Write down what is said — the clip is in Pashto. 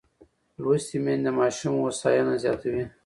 لوستې میندې د ماشوم هوساینه زیاتوي.